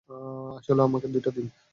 আসলে, আমাকে দুইটা দিন।